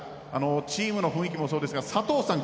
チームの雰囲気もそうですが佐藤さん